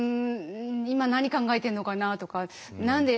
今何考えてるのかなとか何で。